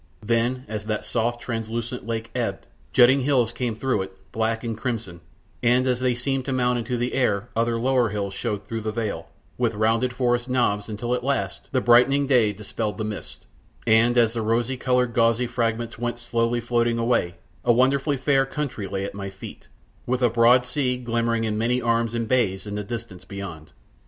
Then, as that soft, translucent lake ebbed, jutting hills came through it, black and crimson, and as they seemed to mount into the air other lower hills showed through the veil with rounded forest knobs till at last the brightening day dispelled the mist, and as the rosy coloured gauzy fragments went slowly floating away a wonderfully fair country lay at my feet, with a broad sea glimmering in many arms and bays in the distance beyond.